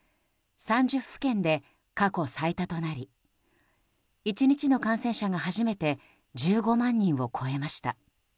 ３０府県で過去最多となり１日の感染者が初めて１５万人を超えました。